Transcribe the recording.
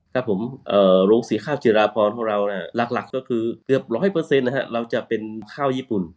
ครับผมโรงสีข้าวจิราพรของเราหลักก็คือเกือบ๑๐๐เราจะเป็นข้าวญี่ปุ่น